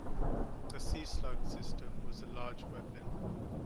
The Seaslug system was a large weapon.